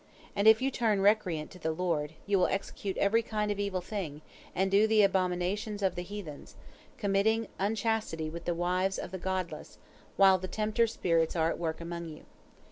And if you turn recreant to the Lord, you will execute every kind of evil thing, and do the abominations of the heathen, committing unchastity with the wives of the godless, while the tempter spirits are at work among you.